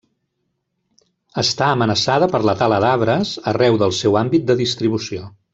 Està amenaçada per la tala d'arbres arreu del seu àmbit de distribució.